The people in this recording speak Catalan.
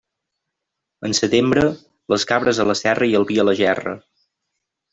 En setembre, les cabres a la serra i el vi a la gerra.